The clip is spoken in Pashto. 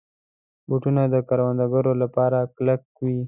بوټونه د کروندګرو لپاره کلک وي.